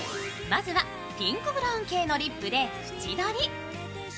まずはピンクブラウン系のリップで縁取り。